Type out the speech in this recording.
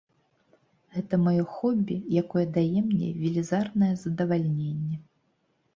Гэта маё хобі, якое дае мне велізарнае задавальненне.